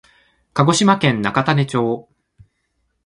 鹿児島県中種子町